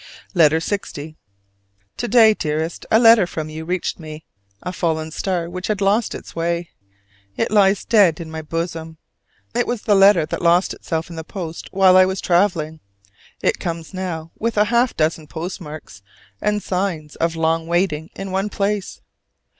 LETTER LX. To day, dearest, a letter from you reached me: a fallen star which had lost its way. It lies dead in my bosom. It was the letter that lost itself in the post while I was traveling: it comes now with half a dozen postmarks, and signs of long waiting in one place.